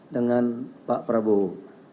dengan pak prabowo